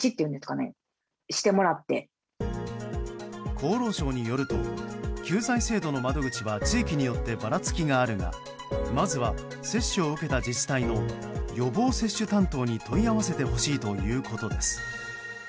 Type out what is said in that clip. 厚労省によると救済制度の窓口は地域によってばらつきがあるがまずは接種を受けた自治体の予防接種担当に問い合わせてほしいということです。